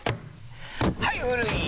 はい古い！